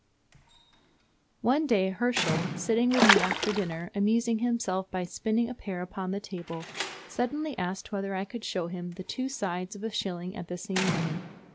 "One day Herschel, sitting with me after dinner, amusing himself by spinning a pear upon the table, suddenly asked whether I could show him the two sides of a shilling at the same moment.